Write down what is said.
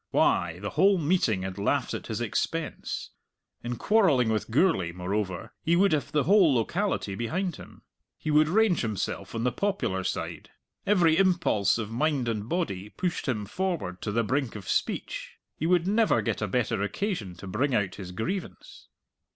Why, the whole meeting had laughed at his expense! In quarrelling with Gourlay, moreover, he would have the whole locality behind him. He would range himself on the popular side. Every impulse of mind and body pushed him forward to the brink of speech; he would never get a better occasion to bring out his grievance.